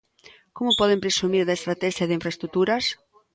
¿Como poden presumir da Estratexia de infraestruturas?